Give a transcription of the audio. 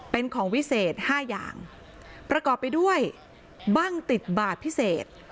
เป็นของวิเศษ๕อย่างประกอบไปด้วยบ้างติดบาทพิเศษ